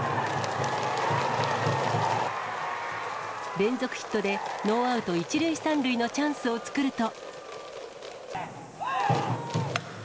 連続ヒットでノーアウト１塁３塁のチャンスを作ると。